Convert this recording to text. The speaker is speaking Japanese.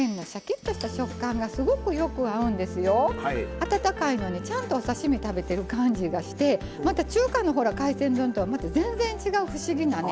温かいのにちゃんとお刺身食べてる感じがしてまた中華の海鮮丼とはまた全然違う不思議なね。